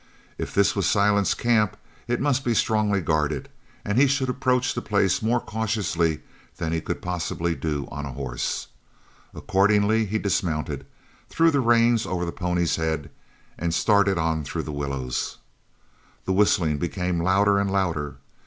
If this was Silent's camp, it must be strongly guarded, and he should approach the place more cautiously than he could possibly do on a horse. Accordingly he dismounted, threw the reins over the pony's head, and started on through the willows. The whistling became louder and louder.